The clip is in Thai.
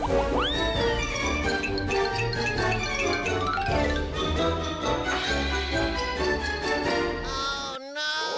โอ้วน้น